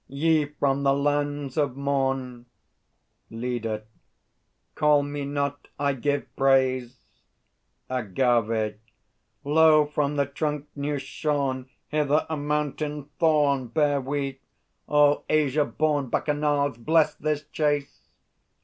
Ye from the lands of Morn! LEADER. Call me not; I give praise! AGAVE. Lo, from the trunk new shorn Hither a Mountain Thorn Bear we! O Asia born Bacchanals, bless this chase!